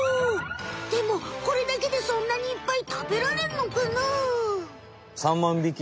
でもこれだけでそんなにいっぱい食べられんのかな？